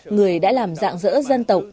người đã làm dạng dỡ dân tộc